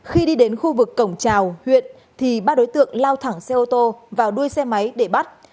khi đi đến khu vực cổng trào huyện thì ba đối tượng lao thẳng xe ô tô vào đuôi xe máy để bắt